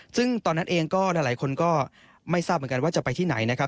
ซึ่งตอนนั้นเองก็หลายคนก็ไม่ทราบเหมือนกันว่าจะไปที่ไหนนะครับ